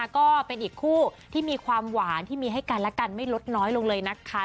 ก็เป็นอีกคู่ที่มีความหวานที่มีให้กันและกันไม่ลดน้อยลงเลยนะคะ